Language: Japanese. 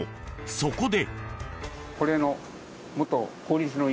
そこで。